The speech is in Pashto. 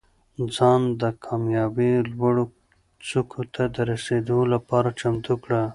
ځان د کامیابۍ لوړو څوکو ته د رسېدو لپاره چمتو کړه.